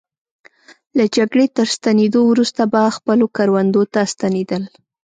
له جګړې تر ستنېدو وروسته به خپلو کروندو ته ستنېدل.